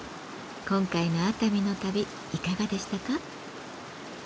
今回の熱海の旅いかがでしたか？